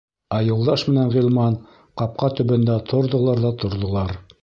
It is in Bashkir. Ә Юлдаш менән Ғилман ҡапҡа төбөндә торҙолар ҙа торҙолар.